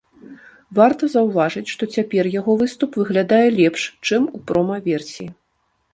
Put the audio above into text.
Варта заўважыць, што цяпер яго выступ выглядае лепш, чым у прома-версіі.